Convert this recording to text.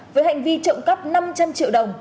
với hành vi trộm cắp năm trăm linh triệu đồng